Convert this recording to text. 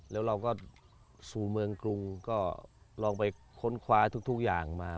แล้วเราก็สู่เมืองกรุงก็ลองไปค้นคว้าทุกอย่างมา